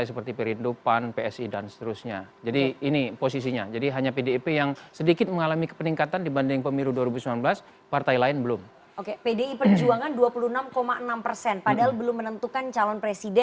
selisih signifikan antar calon